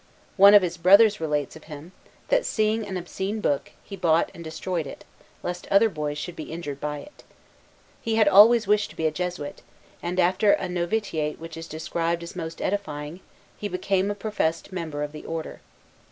One of his brothers relates of him, that, seeing an obscene book, he bought and destroyed it, lest other boys should be injured by it. He had always wished to be a Jesuit, and, after a novitiate which is described as most edifying, he became a professed member of the Order.